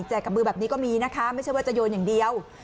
แจกกำมือแบบนี้ก็มีไม่ใช่วัสดิโยนอย่างเดียว